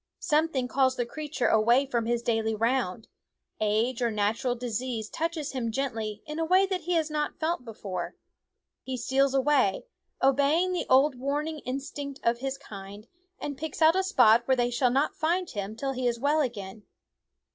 Something calls the creature away from his daily round ; age or natural disease touches him gently in a way that he has not felt before. He steals away, obeying the old warning instinct of his THE WOODS kind, and picks out a spot where they shall not find him till he is well again.